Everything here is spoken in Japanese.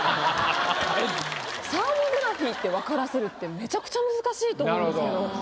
サーモグラフィーって分からせるってめちゃくちゃ難しいと思うんですけど。